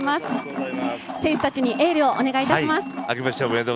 選手たちにエールをお願いします。